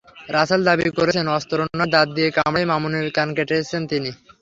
রাসেল দাবি করেছেন, অস্ত্র নয়, দাঁত দিয়ে কামড়েই মামুনের কান কেটেছেন তিনি।